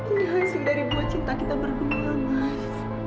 ini hasil dari buah cinta kita berdua mas